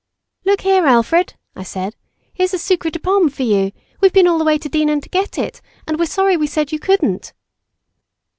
"Look here, Alfred," I said "here's a sucre de pomme for you; we've been all the way to Dinan to get it, and we're sorry we said you couldn't."